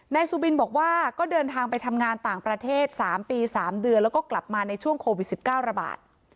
นายสุบินบอกว่าก็เดินทางไปทำงานต่างประเทศสามปีสามเดือนแล้วก็กลับมาในช่วงโควิดสิบเก้าระบาท